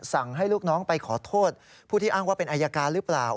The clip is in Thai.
สั่งให้ลูกน้องไปขอโทษผู้ที่อ้างว่าเป็นอายการหรือเปล่า